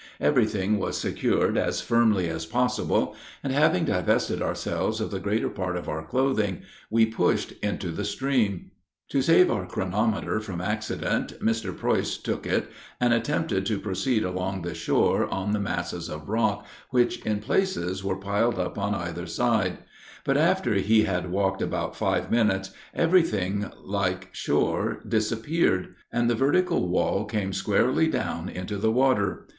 Every thing was secured as firmly as possible; and, having divested ourselves of the greater part of our clothing, we pushed into the stream. To save our chronometer from accident, Mr. Preuss took it, and attempted to proceed along the shore on the masses of rock, which, in places, were piled up on either side; but, after he had walked about five minutes, every thing like shore disappeared, and the vertical wall came squarely down into the water.